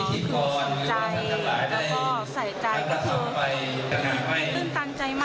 เพราะว่าตั้งแต่วันที่รับสมพิธีสมานา